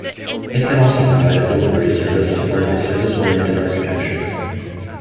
It can also provide a delivery service as part of a service oriented architecture.